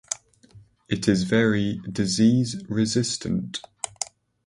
It is very disease resistant.